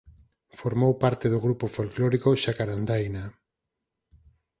Formou parte do grupo folclórico Xacarandaina.